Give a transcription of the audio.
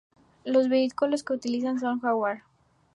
Los vehículos que utilizan son Jaguar.